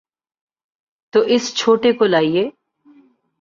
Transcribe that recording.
تو اس چھوٹے کو لائیے۔